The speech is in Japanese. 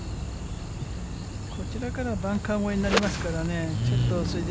こちらからはバンカー越えになりますからね。